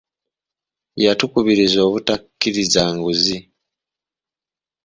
Yatukubirizza obutakkiriza nguzi.